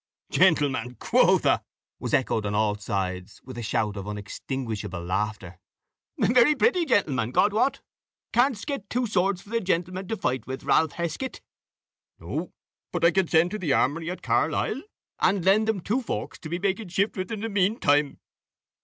"Gentleman, quotha!" was echoed on all sides, with a shout of unextinguishable laughter; "a very pretty gentleman, God wot. Canst get two swords for the gentleman to fight with, Ralph Heskett?" "No, but I can send to the armoury at Carlisle, and lend them two forks, to be making shift with in the mean time."